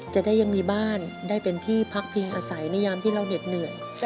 จะได้ยังมีบ้านได้เป็นที่พักพิงอาศัยในยามที่เราเหน็ดเหนื่อย